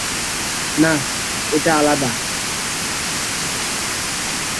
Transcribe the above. না, এটা আলাদা!